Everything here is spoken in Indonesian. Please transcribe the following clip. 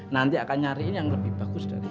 nanti akan nyariin yang lebih bagus dari ini